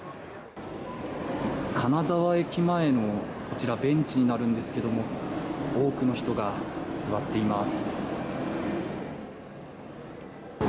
金沢駅前のベンチになるんですけども多くの人が座っています。